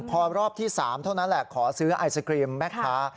พอรอบที่๓เท่านั้นแหละขอซื้อไอศครีมแม่ค้า